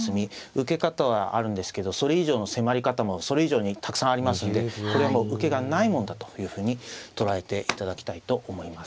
受け方はあるんですけどそれ以上の迫り方もそれ以上にたくさんありますんでこれはもう受けがないもんだというふうに捉えていただきたいと思います。